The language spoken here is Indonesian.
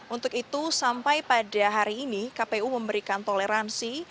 untuk itu sampai pada hari ini kpu memberikan toleransi